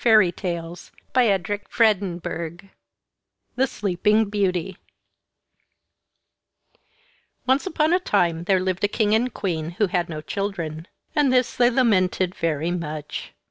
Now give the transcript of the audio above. THE SLEEPING BEAUTY Once upon a time there lived a king and queen who had no children; and this they lamented very much.